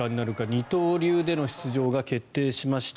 二刀流での出場が決定しました。